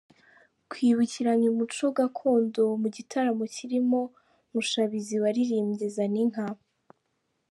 Kwibukiranya umuco gakondo mu gitaramo kirimo Mushabizi waririmbye Zaninka